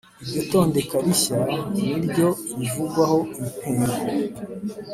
Iryo tondeka rishya niryo rivugwaho intego